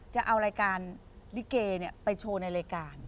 จะเอารายการริเกย์เนี่ยไปโชว์ในรายการ